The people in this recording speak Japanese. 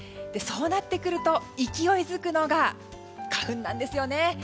そうなってくると勢いづくのが花粉なんです。